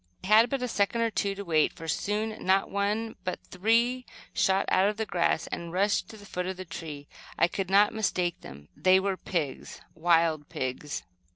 I had but a second or two to wait, for soon, not one but three shot out of the grass and rushed to the foot of the tree. I could not mistake them. They were pigs, wild pigs.